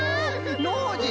ノージー！